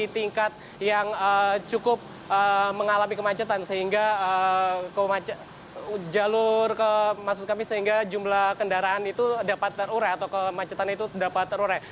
tingkat yang cukup mengalami kemacetan sehingga jumlah kendaraan itu dapat terure atau kemacetan itu dapat terure